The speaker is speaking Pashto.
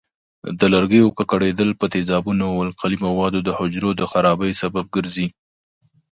د لرګیو ککړېدل په تیزابونو او القلي موادو د حجرو د خرابۍ سبب ګرځي.